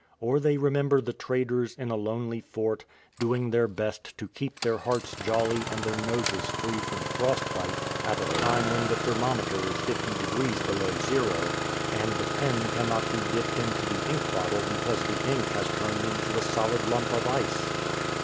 Or they remember the traders in a lonely fort, doing their best to keep their hearts jolly and their noses free from frostbite, at a time when the thermometer is fifty degrees below zero, and the i86 THE HUDSON BAY SHIPS pen cannot be dipped into the ink bottle because the ink has turned into a solid lump of ice.